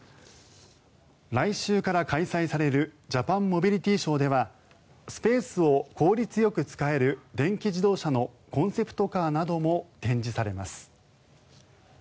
来週から開催されるジャパンモビリティショーではスペースを効率よく使える電気自動車のコンセプトカーなども展示されます。